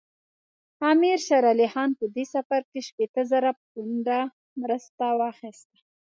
امیر شېر علي خان په دې سفر کې شپېته زره پونډه مرسته واخیسته.